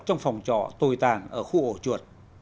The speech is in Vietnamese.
trong phòng trò tồi tàng ở khu ổ chuột